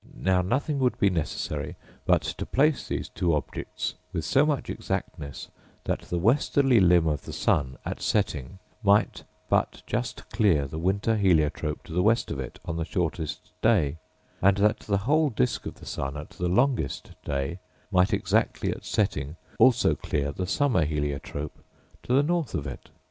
Now nothing would be necessary but to place these two objects with so much exactness, that the westerly limb of the sun, at setting, might but just clear the winter heliotrope to the west of it on the shortest day; and that the whole disc of the sun, at the longest day, might exactly at setting also clear the summer heliotrope to the north of it.